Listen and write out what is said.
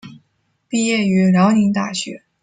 毕业于辽宁大学。